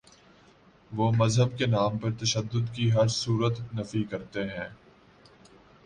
وہ مذہب کے نام پر تشدد کی ہر صورت نفی کرتے ہیں۔